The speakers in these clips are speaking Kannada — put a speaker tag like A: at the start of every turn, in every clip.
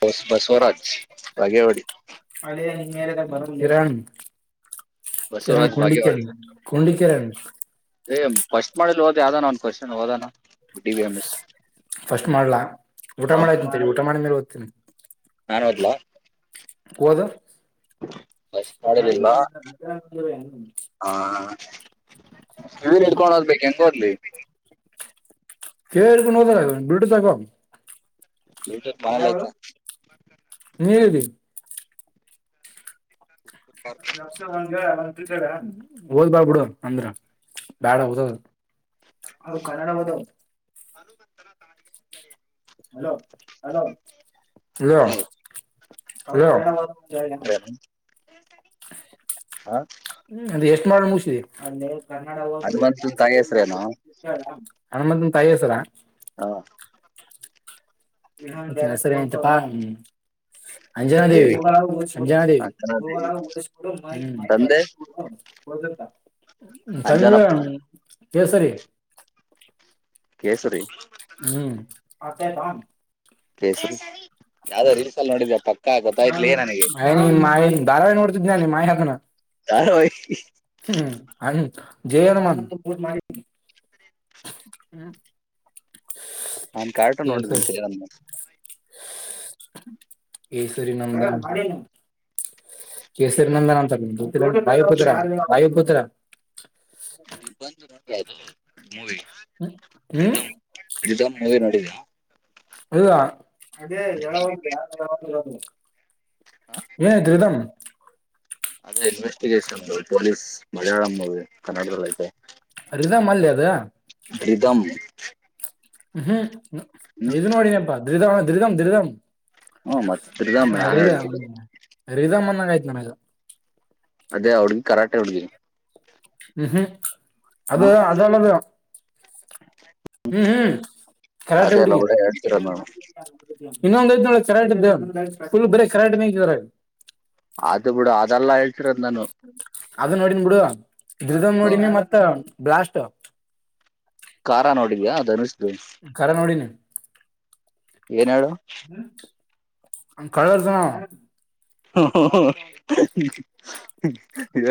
A: ಹೊಸ್ ಬಸವರಾಜ್ ಬಾಗೇವಾಡಿ.
B: [unintelligible] ಕಿರಣ್. ಕಿರಣ್
A: ಬಸವರಾಜ್ ಬಾಗೇವಾಡಿ
B: [unintelligible]
A: ಯಾವ್ದೋ ನಮ್ಮ ಕ್ವಷನ್ ಓದೋನು.
B: ಫಸ್ಟ್ ಮಾಡ್ಲಾ ಊಟ
A: ಹ
B: ಮಾಡಾತೀನಿ ತಡಿ ಊಟ ಮಾಡಿದ್ಮೇಲೆ ಓದತ್ತಿನಿ.
A: ನಾನ್ ಓದ್ಲಾ. ಫಸ್ಟ್ ಮಾಡಲ್ ಇಲ್ಲ
B: [unintelligible]
A: ನೀನ್ ಇಡ್ಕೊಂಡು ಹೋದ್ಬೇಕು ಹೆಂಗ ಓದ್ಲಿ
B: [unintelligible]
A: [unintelligible]
B: ನೀ ಹೇಳಿದಿ ಹ ಓದ್ ಬಾಡ ಬಿಡು ಅಂದ್ರ ಬ್ಯಾಡ ಓದೋದ ಹೌದು ಕನ್ನಡ ಓದು
A: ಹನುಮನ [unintelligible]
B: hello hello
A: hello
B: hello hello
A: Hanumanth ಹೆಸ್ರೇನು ಹ
B: ಅದು ಎಷ್ಟ ಮಾಡ ಮುಗಿಸಿದೆ
A: ಹನುಮಂತನ್ ತಾಯಿ ಹೆಸ್ರೇನು
B: [unintelligible] ಹನುಮಂತನ ತಾಯಿ ಹೆಸರ
A: ಹಾ
B: [unintelligible] ಅಂಜನಾದೇವಿ
A: ದೇವಿ
B: ಅಂಜನಾದೇವಿ
A: ಅಂಜನಾ ದೇವಿ ತಂದೆ ಅಂಜನಪ್ಪ
B: ಕೇಸರಿ
A: ಕೇಸರಿ
B: ಹ್ಮ್ [unintelligible]
A: ಕೇಸರಿ ಯಾವವುದೋ ರೀಲ್ಸ್ ಅಲ್ಲಿ ನೋಡಿದ ಪಕ್ಕಾ ಗೊತ್ತಾಯ್ತಲ್ಲ ನನಗೆ
B: ಆಯ ನಿಮ್ ಮಾಯಿ ಧಾರಾವಾಹಿ ನೋಡ್ತಿದ್ದೆ ನಾನ ನಿಮಾಯಿ ಅದನ್
A: [unintelligible]
B: ಹ್ಮ್ ಹ ಜವನ ಮಾಡ ಮಾಡ ಹ್ಮ್
A: ನಾನ್ ಕಾರ್ಟೂನ್ ನೋಡಿದಂತ
B: ಕೇಸರಿನಂದನ ಕೇಸರಿ ನಂದನ್ ಅಂತ ವಾಯು ಪುತ್ರ ವಾಯು ಪುತ್ರ
A: ದೀಪ ನೋ ಅದು ಮೂವಿ
B: ಹ್ಮ್
A: ಪ್ರತಂ [unintelligible]
B: [unintelligible] ಏನಾಯಿತು ರಿದಂ
A: ಅದೇ ಇನ್ವೆಸ್ಟಿಗೇಷನ್ ಪೊಲೀಸ್ ಮಲಯಾಳಂ ಮೂವಿ ಕನ್ನಡದಲ್ಲಐತೆ
B: ರಿದಂ ಅಲ್ಲಲೇ ಅದ
A: ರಿದಂ
B: ಹ್ಮ್ ಇದು ನೋಡಿನಪ್ಪಾ ದ್ರಿದಮ್ ದ್ರಿಧಾಮ್
A: ಹ್ಮ ಮತ್ ಪ್ರೀತಮ್
B: ಹ
A: ಯಾನ್
B: ರಿ
A: ಹೇಳ್ತಿರ
B: ಇದು ರಿದ್ಂ ಅದಂಗ ಆಯಿತು ನನಗ
A: ಅದೇ ಹುಡುಗಿ ಕರಾಟೆ ಹುಡುಗಿ
B: ಹ್ಮ್ ಹ್ಮ್ ಅದು ಅದಲ್ಲದು ಹು ಹು ಕರಾಟೆ
A: ಅದೇ
B: ಹುಡುಗಿ
A: ಲವ್ ಡೇ ಹೇಳ್ತಿರೋದ್ ನಾವು
B: ಇನ್ನೊಂದ ಐತ್ ನೋಡು ಕರಾಟೆದ ಫುಲ್ ಬರೀ ಕರಾಟೆಗೆ ಐತಿ ಅದರಾಗ
A: ಅದು ಬಿಡು ಅದೆಲ್ಲಾ ಹೇಳ್ತ
B: ಅದು ನೋಡಿನಿ ಬಿಡು ರಿದಮ್
A: ಹ
B: ನೋಡಿನಿ ಮತ್ತ ಬ್ಲಾಸ್ಟ್
A: ಕಾರಾ ನೋಡಿದಿಯಾ ಧನುಷ್
B: ಕರ ನೋಡ ನೀ
A: ಏನ್ ಹೇಳು
B: ಹ ಕಳ್ಳ ಇರತಾನ ಅವಾ
A: ಹ ಹ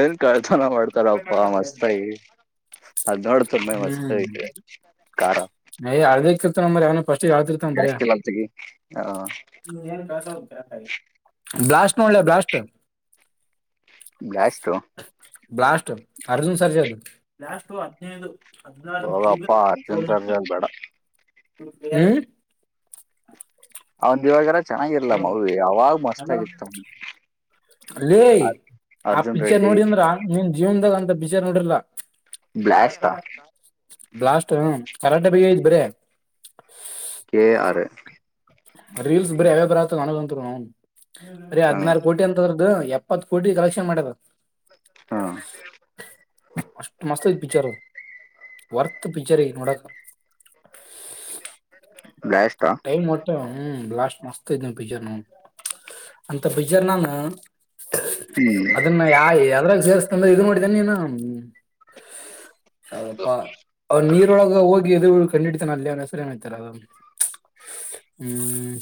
A: ಏನ್ ಕಳ್ಳರನ ಚನ್ನಾಗಿ ಮಾಡ್ತಾರಪ್ಪಾ ಮಸ್ತಯಗಿ
B: ಹುಂ
A: ಕಾರ
B: ಐ ಅದಕ್ಕೆ ಇರುತೊ ಮರಯ ಅವನು ಫಸ್ಟ್ ಗೆ ಅಳುತೀರ್ಥನ ಬರೆ
A: ಬ್ಲಾಸ್ಟ್ ಇಲ್ಲ ತೆಗಿ ಹ
B: ಬ್ಲಾಸ್ಟ್ ತುಂಬಾ ಒಳ್ಳೆವ blast
A: blast
B: blast Arjun Sarja last ಹದಿನೈದು
A: ಹೌದಪ್ಪಾ ಅರ್ಜುನ್ ಸರ್ಜಾನ್ ಬೇಡಾ
B: ಏನ್
A: ಅವಂದ ಹೇಳಿದರ ಚೆನ್ನಾಗಿರ್ಲ ಮವಿ ಅವಾಗ ಮಸ್ತ್ ಆಗಿತ್ತ ಅವಂದ
B: ಅಲ್ಲೇ ಆ ಪಿಚ್ಚರ್ ನೋಡಿ ಅಂದ್ರ ನಿನ್ ಜೀವನ್ದಾಗ ಅಂತ ಪಿಕ್ಚರ್ ನೋಡಿರ್ಲ್ಲ.
A: ಬ್ಲಾಸ್ಟ್ ಆ
B: ಬ್ಲಾಸ್ಟ್ ಹ ಕರಟೆ ಬಗ್ಗೆ ಐತಿ ಬರೆ
A: ಕೆ ಆರ್ ಎಸ್
B: ರೀಲ್ಸ್ ಬರೀ ಅವೇ ಬರಕತವ ಅನಂತರುನೂ ಬರೆ
A: ಹ
B: ಹದನಾರು ಕೋಟಿ ಅಂತದ್ರ ಅದು ಎಪ್ಪತ್ ಕೋಟಿ ಕಲೆಕ್ಷನ್ ಮಾಡದ
A: ಹ
B: ಅಷ್ಟು ಮಸ್ತ್ ಪಿಕ್ಚರ್ ಅ ವರ್ತ್ ಪಿಕ್ಚರ್ ಐತಿ ಈ ನೋಡಕ್
A: [unintelligible] ಗಯಷ್ಟ
B: ಟೈಮ್ ಒಟ್ಟ ಹ್ಮ್ ಲಾಸ್ಟ್ ಮಸ್ತ್ ಐತ್ ಪಿಚ್ಚರ್ ನೌನ ಅಂತ ಪಿಚ್ಚರ್ ನಾನು
A: ಹ್ಮ್
B: ಅದನ್ನ ಯಾ ಯದ್ರಾಗ ಸೇರ್ಸ್ತತನ ಇದು ನೋಡಿದ ನೀನ ಯಾವುದಪ್ಪ ಅವರು ನೀರೊಳಗ ಹೋಗಿ ಎದುರ ಹೇಗಿ ಕಂಡಿಡಿತಾನ ಅಲ್ಲಿ ಅದು ಹೆಸರು ಏನತಲ್ಲಾ ಹ್ಮ್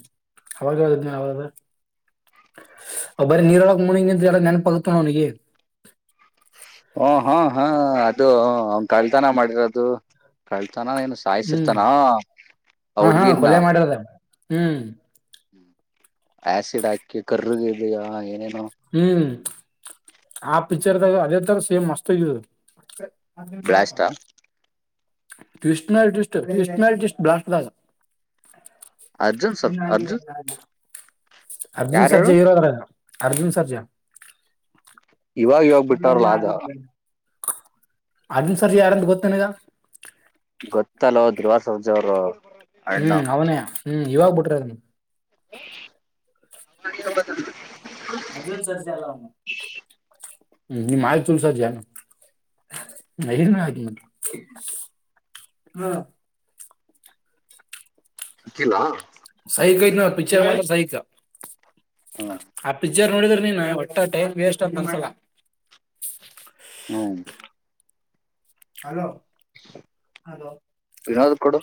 B: ಅವಾಗ ಹೇಳಿದನ ಅವರು ಅ ಬರೀ ನೀರೊಳಗೆ ಮುಳುಗಿ ನಿಂತರ ಎಲ್ಲ ನೆನಪಗತನ್ ಅವನಿಗೆ
A: ಹಓ ಹಾ ಹಾ ಅದು ಅವ ಕಲ್ತಾನ ಮಾಡಿರೋದು ಕಲ್ತ ತಾನ ಏನ್
B: ಹ್ಮ್
A: ಸಾಯಿಸಿರ್ತಾನ ಆ ಹುಡ್ಗೀನ
B: ಹೂ
A: ಹ್ಮ್ ಆಸಿಡ್ ಹಾಕಿ ಕರ್ರಿಗೆ ಇದೆಯಾ ಏನೇನು
B: ಹೂಆ ಪಿಕ್ಚರ್ದಗ ಅದೆತರ ಸೇಮ್ ಮಸ್ತ್ ಆಗಿದ್ರ ಚಾವಿ
A: ಬ್ಲಾಸ್ಟಾ
B: ಕೊಡು ಕೃಷ್ಣ ಇಜಿಸ್ಟ್ ಕೃಷ್ಣ ಈಜಿಸ್ಟ್ ಬ್ರಾಂಚ್ ದಾಗ್
A: ಅರ್ಜುನ್ ಸರ್ ಅರ್ಜುನ್
B: [unintelligible] ಅರ್ಜುನ್
A: ಯಾರ್ ಹೇಳು
B: ಸರ್ಜಾ ಹೀರೋ ಅದರಾಗ ಅರ್ಜುನ್ ಸರ್ಜಾ
A: ಇವಾಗ ಇವಾಗ ಬಿಟ್ಟಾರಲ ಆದ
B: ಅರ್ಜುನ್ ಸರ್ಜಾ ಯಾರು ಅಂತ ಗೊತ್ತ ನಿನಗ
A: ಗೊತ್ತಲ್ವ ಧ್ರುವ ಸರ್ಜಾ ಅವರು ಅಣ್ಣ
B: ಹ್ಮ್ ಅವನೇ ಹ್ಮ್ ಇವಾಗ್ ಬಿಟ್ರ ಅದನ
A: ಹ [unintelligible]
B: ಅರ್ಜುನ್ ಸರ್ಜಾ ಅಲ್ಲ ಅವನು ಹು ಆಯತ ಸರ್ಜ ನ ಆ ಹ [unintelligible]
A: ಸಿಕ್ಕಿಲ್ಲ
B: ಸೈಕಐತ್ ನೋಡ್ ಪಿಕ್ಚರ್ ಸೈಕ ಆ ಪಿಜರ್ ನೋಡಿದ್ರೆ ನೀನ್ ಒಟ್ಟ ಟೈಮ್ ವೇಸ್ಟ್ ಅಂತ ಅನ್ಸಲ್ಲ
A: ಹ್ಮ
B: ಹಲೋ
A: ಏನಾದರು ಕೊಡು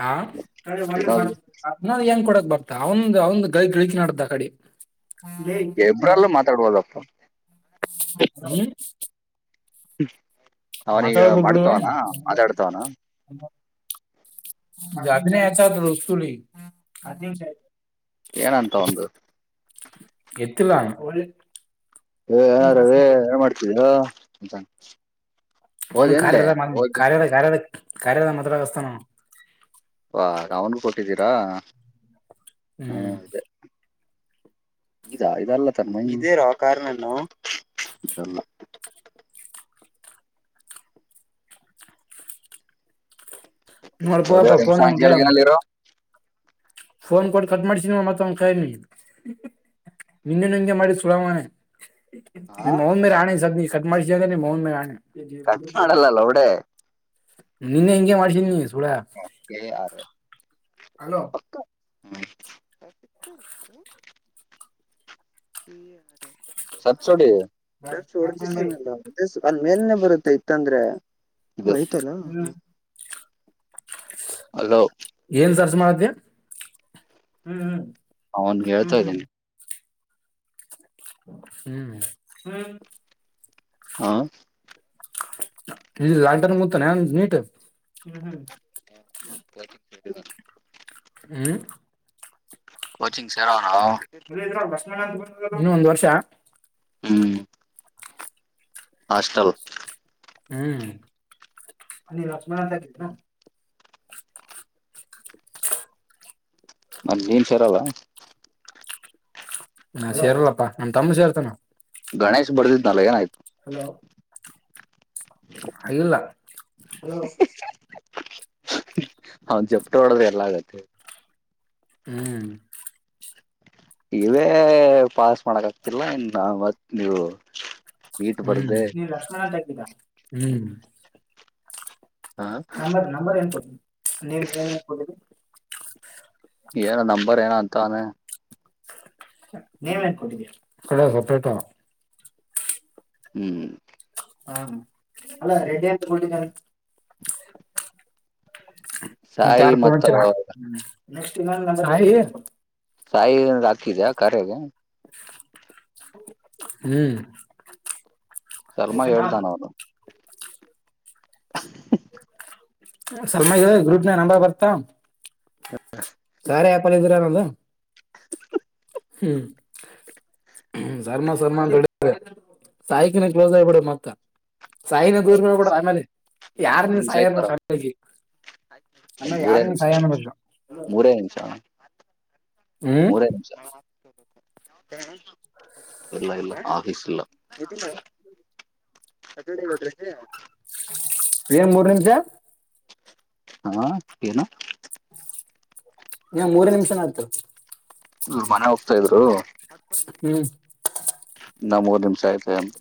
B: ಹಾ ತಡರಿ ಹೊಳ್ಳಿ
A: ವಿನೋದ್
B: ಮಾಡ್ತಾನ ತಡಿ ಅದನರ ಹೆಂಗ ಕೊಡಕ್ ಬರ್ತ ಅವಂದ್ ಅವಂದ್ ಗೈ ಗಳಕಿ ನಡ್ದ ಆ ಕಡೆ
A: ಎಬ್ರಲ್ಲೂ ಮಾತಾಡ್ಬೋದಪ್ಪ
B: ಹ [unintelligible]
A: ಅವನೀಗ
B: ಬಿಡು
A: ಮಾಡ್ತವನ ಮಾತಾಡ್ತವನ
B: ಜಾತ್ರಿ ಹಚ್ಚೇರ ಆಚ್ಚತ್ ತುಳಿ ಹು ಹತ್ತ ನಿಮಿಷ ಆಯ್ತ್
A: ಏನಂತ ಆವಂದ್
B: ಎತ್ತಿಲಾ
A: ಏ ಏನಾರ ರವಿ ಏನ್ ಮಾಡ್ತಿದೋ
B: ಅವನು ಕಾರ್ಯಲ್ಲ ಕಾರ್ಯಾಲ ಕಾರ್ಯ ಕಾರ್ಯದ ಮಾತಡಾಕಹಸ್ತಾಅವ
A: ವಾ ಅವನ್ಗೂ ಕೊಟ್ಟಿದ್ದೀರಾ
B: ಹ್ಮ್
A: ಇದಾ ಇದಲ್ಲ ತನ್ ಮ ಇದೇರ ಆ ಕಾರಣನು ಇದಲ್ಲ ಎವ
B: ನೋಡ್ಪಪ್ಪ
A: ನಿಮಷ
B: ಫೋನ್ ಅವನ್ಗೆ
A: ಹಲ್ಲಿರೋ
B: ಫೋನ್ ಕೊಡ್ ಕಟ್ ಮಾಡ್ಸ ಮತ್ತ ಅವನ ಕೈಲಿ ನಿನ್ನೆನೂ ಹಿಂಗೆ ಮಾಡ
A: ಹಾ
B: ನಿಮ್ಮ ಅವ್ವನ ಮೇಲೆ ಆಣೆ ಇಸದ್ ಕಟ್ ಮಾಡ್ಸಿದಂದ್ರೆ ನಿಮ್ಮವ್ವನ ಮೇಲೆ ಆನೆ
A: ಕಟ್ ಮಾಡಲ್ಲ ಲ್ಲಒಡೆ
B: ನೀನ್ನ ಹಿಂಗೆ ಮಾಡ್ತೀನಿ
A: ಹ ಯಾರ
B: ಹಲೋ
A: [unintelligible] [unintelligible] ಅಲ್ ಮೇಲ್ನೆ ಬರುತ್ತೆ ಇತ್ತಂದ್ರೆತಲ್ಲ
B: ಏನ್ ಸರ್ಚ ಮಾಡ್ದೆ ಹ್ಮ
A: ಅವನ್ಗೆ ಹೇಳ್ತಾ ಇದ್ದೀನಿ
B: ಹ್ಮ
A: ಹಾ
B: ಇಲ್ಲಿ ಲಾಕ್ಡನ್ ಮೂತ ನನ್ ನೀಟ
A: [unintelligible]
B: ಹ್ಮ
A: ಕೋಚಿಂಗ್ ಸೇರಾವಣಾವ
B: ಇನ್ನ ಒಂದ್ ವರ್ಷಾ
A: ಹ್ಮ್ ಹಾಸ್ಟೆಲ್
B: ಹ್ಮ್ ಅ ಲಕ್ಷ್ಮಣಂತಗಿದ್ದರ
A: ಮತ್ತ ಜೀನ್ಸ್ ಇರಲ್ಲ
B: ನಾ ಸೇರ್ಲ್ಲಪ್ಪಾ ನಮ್ಮ ತಮ್ಮ ಸೇರ್ತಾನ
A: ಗಣೇಶ್ ಬರ್ದಿದನ ಏನಾಯ್ತು
B: ಹಲೋ ಇಲ್ಲಾ
A: ಹ ಜಪ್ತ ಹೊಡ್ದ ಎಲ್ಲಾ ಆಗತ್ತೆ
B: ಹ್ಮ್
A: ಇವೇ ಪಾಸ್ ಮಾಡಕ್ ಆಗತ್ತಿಲ್ಲ ಇನ್ನು ಮತ್ ನೀವು ನೀಟ್
B: ಹ್ಮ್
A: ಬರ್ದೆ
B: ಹ್ಮ್
A: ಹ
B: ನಂಬರ್ ನಂಬರ್ ಏನ್ ಕೊತ ನೀಮ ಏನ್ತ
A: ತಾನೆ
B: [unintelligible]
A: ಹ್ಮ್
B: ಹಾ ಅಲ್ಲ ರೆಡ್ಡಿ ಅಂತ ಕೊಲಿ ಮತ್ತೆ
A: ಸಾಯಿ
B: ಯಾರ ಫೋನ್
A: ಮತ್ತ
B: ಹಚ್ಚಿಲ್ಲಾ
A: ಸಾಯಿಂದ ಹಾಕಿದ್ಯಾ ಕರೆಗೆ
B: ಹ್ಮ್
A: ಶರ್ಮ ಹೇಳ್ತಾನ ಅವರು
B: ಸಲ್ಮ ಗ್ರೂಪ್ ನ ನಂಬರ್ ಬರ್ತಾ ಸಾರ ಯಾಪಲ್ಲ ಇದೀರಾ ನದು
A: [inaudible]
B: ಹ್ಮ್ ಸರ್ಮಾ ಸರ್ಮಾ ಅಂತಾರೆ ಸಾಯಕಿನ ಕ್ಲೋಸ್ ಆಗ್ಬಿಡ ಮತ್ತ ಸಾಯಿನ ದೂರ್ ಮ ಕೂಡ ಆಮೇಲೆ ಯಾರ್
A: ಮೂರ್
B: ನೀ
A: ನಿಮಿಷ
B: ಸಾಯ.
A: ಆಯ್ತು ಬರ
B: ಆಮೇಲೆ
A: ಮೂರೇ
B: ಯಾರ್ ನೀನ್
A: ನಿಮಷ
B: ಸಾಯ ಅನ್ಬೇಕು
A: ಮೂರೇ ನಿಮಿಷ.
B: ಹ್ಮ್
A: ಮೂರೇ ನಿಮಷ. ಇಲ್ಲ ಆಫೀಸ್ ಇಲ್ಲ. ಸಕಡೆ ಹದ್ರ.
B: ಏನ್ ಮೂರ್ ನಿಮಿಷ.
A: ಹಾ ಏನು.
B: ಮೂರ ನಿಮಿಷನ ಆಯ್ತು.
A: ಇವ್ರ್ ಮನೆಗೆ ಹೋಗ್ತಾ ಇದ್ರು.
B: ಹ್ಮ್
A: ಇನ್ನ ಮೂರು ನಿಮಿಷ ಆಯ್ತಲೇ ಅಂತ.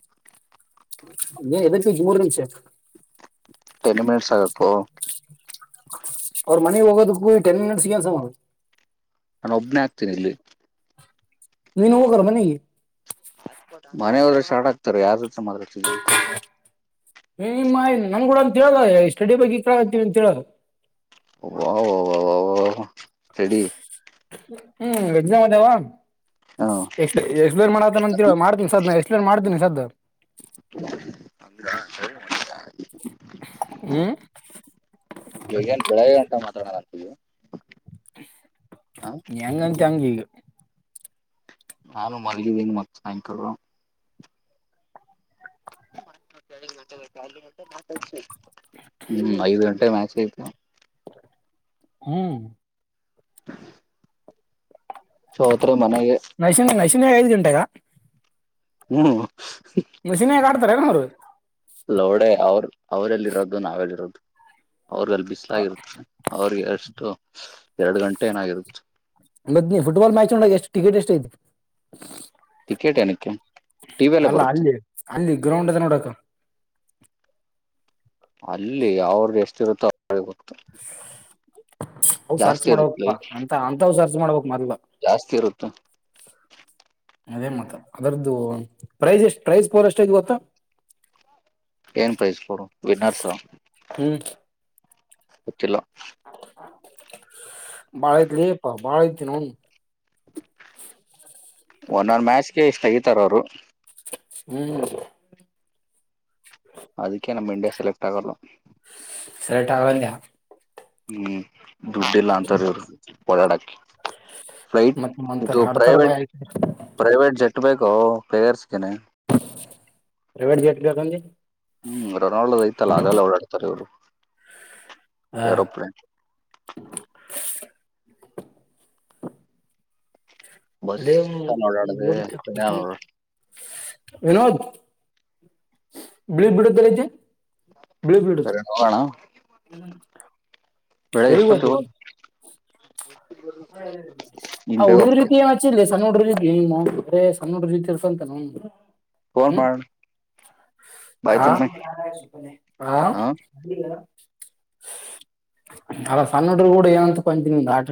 B: ಏ ಎದುಕ್ಕೆ ಇಯ್ತೆ ಮೂರು ನಿಮಿಷ.
A: ಟೆನ್ ಮಿನಿಟ್ಸ್ ಆಗಕ್ಕೋ.
B: ಅವ್ರ ಮನೆಗ್ ಹೋಗೋದಕ್ಕೂ ಟೆನ್ ಮಿನಿಟ್ಸ್ ಸಿಗಲ್ಸ.
A: ನಾನು ಒಬ್ನೇ ಆಗ್ತೀನಿ ಇಲ್ಲಿ.
B: ನೀನು ಹೋಗು ಅವ್ರು ಮನೆಗೆ.
A: ಮನೆಯವದ ಶಾಡ್ ಆಗ್ತಾರ ಯಾವ್ದತ್ರ ಮಾಾತಿದೆ ಅಂತ.
B: ನಿಮ್ಮ ನನ್ ಕೂಡ ಅಂತ ಹೇಳದ ಸ್ಟಡಿ ಬಗ್ಗೆ ಈ ಕ ಹ್ತೀವಿ ಅಂತ ಹೇಳುದು.
A: ವ ವ ವ ವ ವ ಸಡಿ.
B: ಹ್ಮ್ ಎಗ್ನ ಮದವಾ
A: ಹಾ
B: ಎಕ್ಸ್ ಎಕ್ಸ್ಪ್ಲೋರ್ ಮಾಡತ ಅಂತ ಮಾಡ್ತನಿ ಸದ್ದ ಎಕ್ಸ್ಪ್ಲೋರ್ ಮಾಡ್ತಿನಿ ಸದ್ದ ಹ್ಮ್
A: ಹೇಗನ್ ಉಂಟ ಮತ್ತ [inaudible]
B: ಹೆಂಗಂಂತೆಂಗ ಈಗ.
A: ನಾನು ಮಲ್ಲಿಗಿದ್ದೀನಿ ಮತ್ ಸಾಯಂಕಾಲ.
B: [inaudible]
A: ಹ್ಮ ಐದು ಗಂಟೆಗೆ ಮ್ಯಾಚ್ ಐತಲಾ.
B: ಹ್ಮ್.
A: ಹ ಸೊ ಅವತ್ರ ಮನೆಗೆ
B: ಶುನ್ನೆ ಐದು ಗಂಟೆಗ
A: ಹ
B: [unintelligible]
A: ಲೋಡೆ ಅವ್ರ ಅವ್ರಗ ಅಲ್ಲಿ ಬಿಸ್ಲಾಗಿರುತ್ತೆ ಅವ್ರಿಗೆ ಅಷ್ಟು ಎರಡು ಗಂಟೆ ಏನಾಗಿರುತ್ತೆ [inaudible]
B: ಮದ್ನಿ ಫುಟ್ಬಾಲ್ ಮ್ಯಾಚ್ ನೋಡಾಗ ಎಷ್ಟು ಟಿಕೆಟ್ ಎಷ್ಟ ಐತಿ
A: ಟಿಕೆಟ್ ಏನಕ್ಕೆ ಟಿವಿ ಅಲ್ಲೇ
B: ಅಲ್ಲ
A: ಬರುತ್ತೆ
B: ಅಲ್ಲಿ ಅಲ್ಲಿ ಗ್ರೌಂಡ್ ಎದ ನೋಡಕ್ಕ
A: ಅಲ್ಲಿ ಯಾವ್ರ ಎಷ್ಟ ಇರುತ್ತೋ ಳೆತ
B: ಅವು ಸರ್ಚ್
A: ಜಾಸ್ತಿ ಇರುತ್ಲಿ
B: ಮಾಡ್ಬೇಕಪ್ಪಾ ಅಂತ ಅಂತವ್ ಸರ್ಚ್ ಮಾಡ್ಬೇಕ್ ಮೊದ್ಲ
A: ಜಾಸ್ತಿ ಇರುತ್ತ
B: ಅದೇ ಮಾತ್ರ ಅದರದ್ದು ಪ್ರೈಸ್್ ಎಷ್ಟ್ ಪ್ರೈಸ್್ ಫೋರ್ ಎಷ್ಟೇ ಗೊತ್ತಾ
A: ಏನ್ ಪ್ರೈಸ್ ಕೊಡ ವನರ್ಸಚ್ಚಿಲ್ಲ
B: ಬಾಳೆತಲಪ್ಪಾ ಬಾಳೆತ ನೋಣ [unintelligible]
A: ಒಂದೊಂದ ಮ್ಯಾಚ್ಗೆ ಇಷ್ಟು ತಗತಾರ ಅವರು
B: ಹ್ಮ್
A: ಅದಕ್ಕೆೇ ನಮ್ಮ ಇಂಡಿಯಾ ಸೆಲೆಕ್್ ಆಗಲ್ಲ
B: ಸರಟ್ ಆಂತ
A: ಹ್ಮ್ ದುಡ್ಡೆಲ್ಲ ಅಂತಾರೆ ಇವರು ಓಡಾಡಕ ಫ್ಲೈಟ್
B: ಮತ್ ಮಂತ್ರ
A: ಇದು
B: ಹಾಡ್ತಾರ
A: ಪ್ರೈವೇಟ್
B: ಬಾಯ
A: ಪ್ರೈವೇಟ್ ಜೆಟ್ ಬೇಕೋ ಪೇಗರ್ಸ್ಗೆನೆ
B: ಪ್ರೈವೇಟ್ ಗಟ್ ಬಕಿ
A: ಹ್ಮ್ ರೊನಾಲ್ಡೋದ ಐತಲ್ಲ ಅದೆಲ್ಲ ಓಡಾಡ್ತಾರೆ ಇ್ರು
B: ಹಾ
A: ಯರೋಪ್ಲನ್
B: ಅದ
A: ಬಸ್
B: ಒ
A: ಓಡಾಡದೆ
B: ವಿಿನೋದ ಬಿಳಿತ ಬಿಡ ಚಲಜ ಬಳ ಪೀಡುತ್ತು
A: ಸರಿ ಹೋಗೋಣ ಬೆಳೆ ಎಷ್ಟತ್ತುಗ
B: ಆ ಉಡೂರು
A: ಹೋಗ್ತೀಯ
B: ರೀತಿ ಯ ವಚಿ ಸಣ ನೋಡ್ರೀ ಹೆಂಗ ಮಾಡುದು ಬ ಸಣ್ಣ ನಡ್ರೀ ತಿರ್ಸ ಅಂತ ನೋ್ರಿ
A: ಫೋನ್ ಮಾಡೋಣ
B: ಹ ಹ
A: ಹಾ
B: ಅಲ್ಲ ಸಣ್ಣಡರು ಕೂಡ ಏನಂತ ಕೊತೀನಿ ಆಟ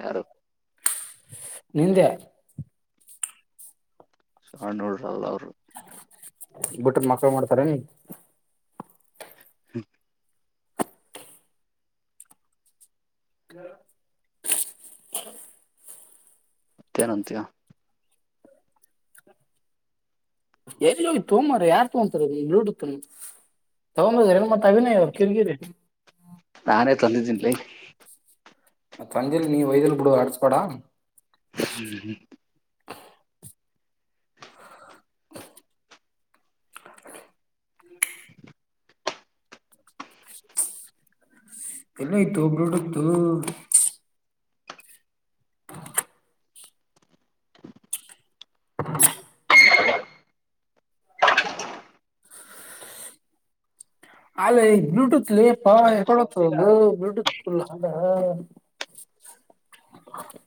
A: ಯಾರು
B: ನಿಂದೆ
A: ಹ ನೋಡ್ರಲ್ಲ ಅವ್ರು
B: ಬಿಟ್ಟದ ಮಕ್ಳು ಮಾಡ್ತಾರ ನೀ
A: ಹ್ಮ
B: ಹ್ಮ
A: ಮತ್ತೇನಂತಯ
B: ಎಲ್ಲಿೋೋಗ್ ತ ಮಾರ ಯಾರ್ ತಗೊಂತಾರೊಡತ್ ತಗೊಂಡದ ಎಲ್ಲ ಮತ್ತತ್ ಅಭಿನಯ ಅವರು ಕಿರಿ ಕಿರಿ
A: ನಾನೇ ತಂದಿದ್ದೀನ್ಲಿ
B: ತಂದಿಲ್ ನೀ ವಯ್ದಲು ಕುಡ ಅಡಸಪಾಡಾ
A: ಹ್ಮ್ ಹ್ಮ
B: ಎಲ್ಲ ಆಯ್ತು ಒಬಡತ್ತು ಅಲ ಬ್ಲೂಟೂತ್ ಲೇಪ ಕೊಡತ ಬ್ಲೂಟೂತ್ು ಅ [unintelligible]